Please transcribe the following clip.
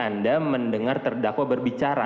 anda mendengar terdakwa berbicara